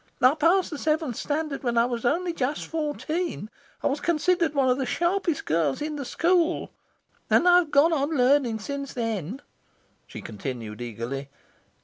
I passed the Seventh Standard when I was only just fourteen. I was considered one of the sharpest girls in the school. And I've gone on learning since then," she continued eagerly.